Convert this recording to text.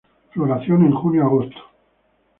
Floración en junio-agosto.